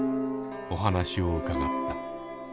お話を伺った。